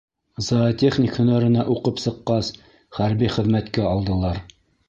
Зоотехник һөнәренә уҡып сыҡҡас, хәрби хеҙмәткә алдылар.